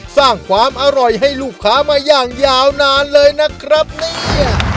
สร้างความอร่อยให้ลูกค้ามาอย่างยาวนานเลยนะครับเนี่ย